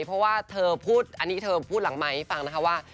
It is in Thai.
เพราะว่าเธอพูดอันนี้เธอพูดหลังไมค์ให้ฟังนะคะว่า